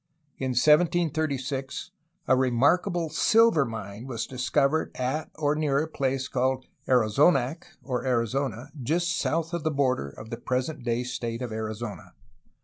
In 1736 a remarkable silver mine was discovered at or near a place called Arizonac, or Arizona, just south of the border of the present day state of Arizona.